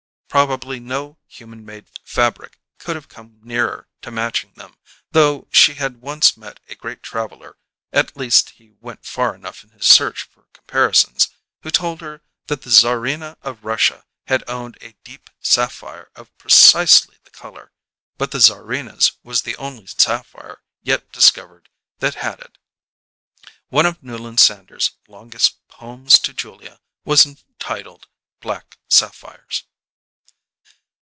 Probably no human made fabric could have come nearer to matching them, though she had once met a great traveller at least he went far enough in his search for comparisons who told her that the Czarina of Russia had owned a deep sapphire of precisely the colour, but the Czarina's was the only sapphire yet discovered that had it. One of Newland Sanders's longest Poems to Julia was entitled "Black Sapphires."